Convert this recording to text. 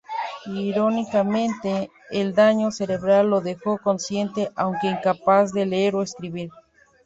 Irónicamente, el daño cerebral lo dejó consciente aunque incapaz de leer o escribir.